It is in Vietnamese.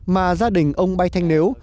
mà gia đình ông bay thanh nếu